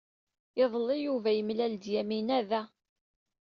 Iḍelli, Yuba yemlal-d Yamina da.